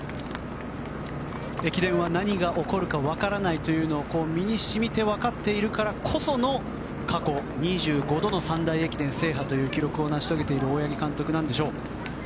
駅伝は何が起こるかわからないというのを身に染みてわかっているからこその過去、２５度の三大駅伝制覇という記録を成し遂げている大八木監督なんでしょう。